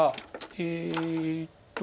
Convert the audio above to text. えっと。